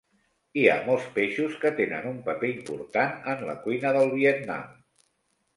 Hi ha molts peixos que tenen un paper important en la cuina del Vietnam.